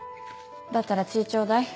だったら血ちょうだい。